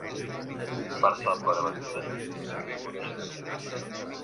Per Sant Bonaventura fins ho coneix una criatura.